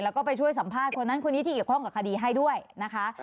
แล้วก็ไปช่วยสัมภาษณ์คนนั้นคนนี้ที่เกี่ยวข้องกับคดีให้ด้วยนะคะ